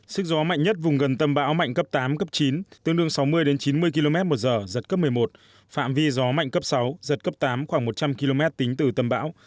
sức gió mạnh nhất vùng gần tâm bão mạnh cấp tám cấp chín tương đương sáu mươi đến chín mươi km một giờ giật cấp một mươi một phạm vi gió mạnh cấp sáu giật cấp tám khoảng một trăm linh km tính từ tâm bão